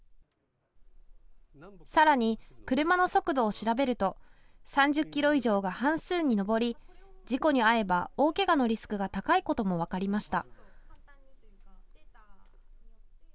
さらに車の速度を調べると３０キロ以上が半数に上り事故に遭えば大けがのリスクが高いことも分かりました。